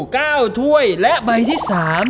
เก้าถ้วยและใบที่สาม